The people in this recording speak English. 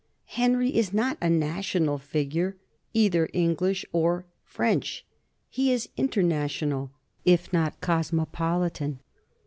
Henry is not a national figure, either English or French ; he is international, if not cosmopolitan.